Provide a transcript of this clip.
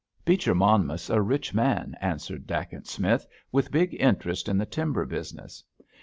"Beecher Monmouth's a rich man," answered Dacent Smith, "with big interest in the timber business.